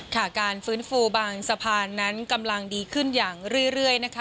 การฟื้นฟูบางสะพานนั้นกำลังดีขึ้นอย่างเรื่อยนะคะ